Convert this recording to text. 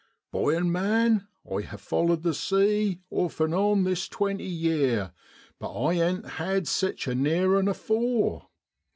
Boy an' man, I ha' followed the sea off an' on this twenty yeer, but I ain't had sich a neer 'un afore.